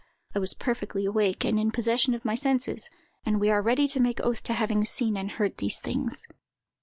I was perfectly awake, and in possession of my senses; and we are ready to make oath to having seen and heard these things."